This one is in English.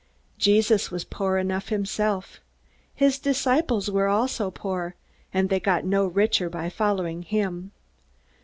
Jesus was poor enough himself. His disciples were also poor, and they got no richer by following him.